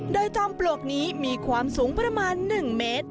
โดยจอมปลวกนี้มีความสูงประมาณ๑เมตร